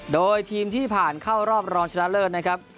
โดยทีมที่ผ่านเข้ารอบรองชนะเลิศนะครับ